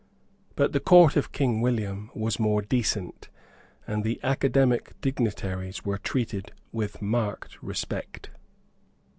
But the Court of William was more decent; and the Academic dignitaries were treated with marked respect.